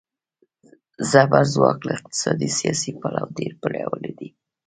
زبرځواک له اقتصادي، سیاسي پلوه ډېر پیاوړي وي.